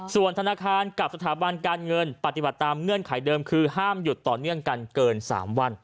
ส่วนธนาคารกับสถาบันการเงินปฏิบัติตามเงื่อนไขเดิมคือห้ามหยุดต่อเนื่องกันเกิน๓วัน